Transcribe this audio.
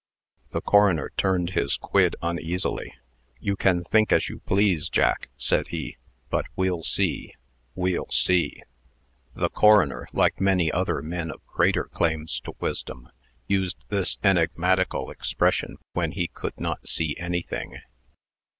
The coroner turned his quid uneasily. "You can think as you please, Jack," said he: "but we'll see we'll see." The coroner, like many other men of greater claims to wisdom, used this enigmatical expression when he could not see anything.